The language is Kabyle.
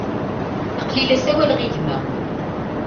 Aql-i la sawaleɣ i gma.